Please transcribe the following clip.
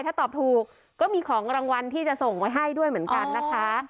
ถ้าตอบถูกก็มีของรางวัลที่จะส่งไว้ให้ด้วยเหมือนกันนะคะ